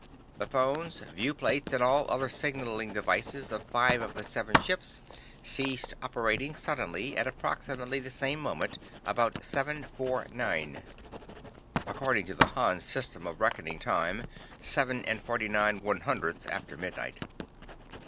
"The phones, viewplates, and all other signaling devices of five of the seven ships ceased operating suddenly at approximately the same moment, about seven four nine." (According to the Han system of reckoning time, seven and forty nine one hundredths after midnight.)